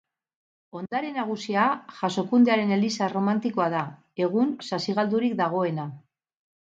Ondare nagusia Jasokundearen eliza erromanikoa da, egun sasi-galdurik dagoena.